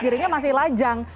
dirinya masih lajang